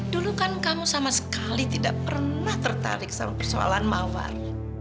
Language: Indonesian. dulu kan kamu sama sekali tidak pernah tertarik sama persoalan mawar